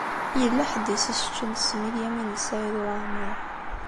Yella ḥedd i s-iseččen ssem i Lyamin n Saɛid Waɛmeṛ.